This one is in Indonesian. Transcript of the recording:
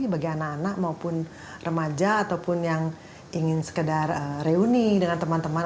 bagi anak anak maupun remaja ataupun yang ingin sekedar reuni dengan teman teman